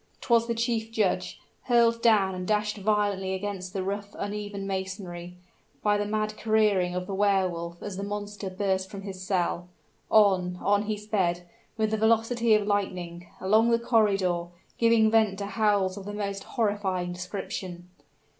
'Twas the chief judge, hurled down and dashed violently against the rough uneven masonry, by the mad careering of the Wehr Wolf as the monster burst from his cell. On, on he sped, with the velocity of lightning, along the corridor, giving vent to howls of the most horrifying description.